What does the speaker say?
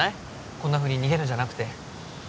こんなふうに逃げるんじゃなくて。